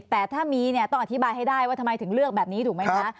แต่ถ้ามีเนี่ยต้องอธิบายให้ได้ว่าทำไมถึงเลือกแบบนี้ถูกไหมคะ